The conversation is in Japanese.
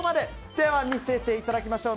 では、見せていただきましょう。